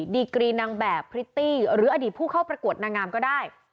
ดีกรีนางแบบพริตตี้หรืออดีตผู้เข้าประกวดนางงามก็ได้